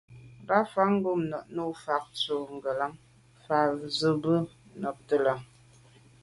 Rǎfàá’ ngômnâ’ nû fâ’ tɔ̌ ngə̀lâŋ fǎ zə̄ bū jâ nàptə́ lá.